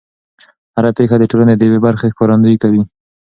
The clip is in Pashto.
هر پېښه د ټولنې د یوې برخې ښکارندويي کوي.